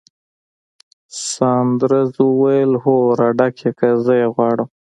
ساندرز وویل: هو، راډک یې کړه، زه یې غواړم.